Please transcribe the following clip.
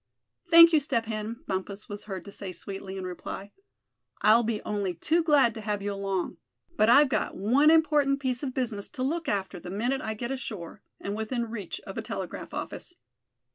"Thank you, Step Hen," Bumpus was heard to say sweetly in reply; "I'll be only too glad to have you along. But I've got one important piece of business to look after the minute I get ashore, and within reach of a telegraph office.